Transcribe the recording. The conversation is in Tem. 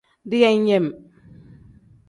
Deyeeyem.